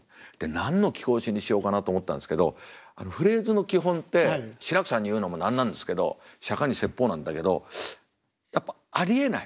何の貴公子にしようかなと思ったんですけどフレーズの基本って志らくさんに言うのも何なんですけど「釈迦に説法」なんだけどやっぱありえない